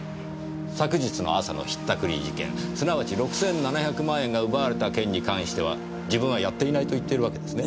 昨日の朝の引ったくり事件すなわち６７００万円が奪われた件に関しては自分はやっていないと言っているわけですね。